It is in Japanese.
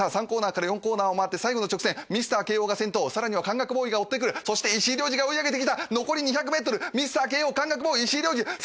３コーナーから４コーナーを回って最後の直線ミスター慶応が先頭さらには関学ボーイが追ってくるそして石井亮次が追い上げてきた残り２００ｍミスター慶応関学ボーイ石井亮次